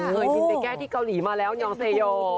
เคยบินไปแก้ที่เกาหลีมาแล้วยองเซโย